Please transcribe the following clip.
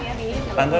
nanti kita berbincang